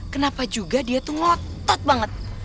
kenapa juga dia tuh ngotot banget